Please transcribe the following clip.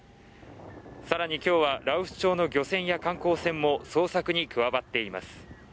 さらに今日は羅臼町の漁船や観光船も捜索に加わっています